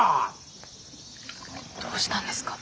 どうしたんですか？